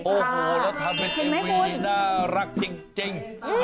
โอ้โหแล้วทำเป็นทีวีน่ารักจริง